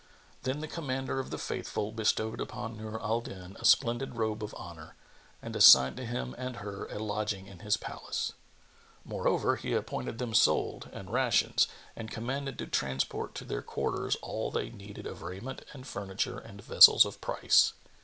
Then the Commander of the Faithful bestowed upon Nur al Din a splendid robe of honour and assigned to him and her a lodging in his palace. Moreover, he appointed them solde and rations, and commanded to transport to their quarters all they needed of raiment and furniture and vessels of price.